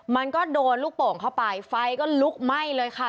มันก็โดนลูกโป่งเข้าไปไฟก็ลุกไหม้เลยค่ะ